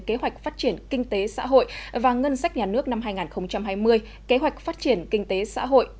kế hoạch phát triển kinh tế xã hội và ngân sách nhà nước năm hai nghìn hai mươi kế hoạch phát triển kinh tế xã hội